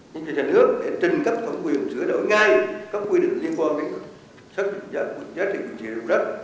nhân dân nhà nước để trình cấp phẩm quyền sửa đổi ngay các quy định liên quan đến giá trị vị trí đồng đất